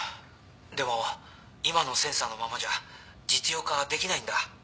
でも今のセンサーのままじゃ実用化はできないんだ。